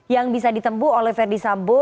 yang bisa ditempu oleh verdi sambo